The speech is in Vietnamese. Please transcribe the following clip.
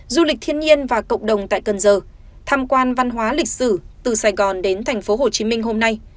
du lịch thiên nhiên và cộng đồng tại cần giờ tham quan văn hóa lịch sử từ sài gòn đến tp hcm hôm nay